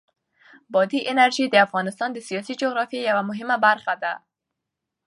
بادي انرژي د افغانستان د سیاسي جغرافیه یوه مهمه برخه ده.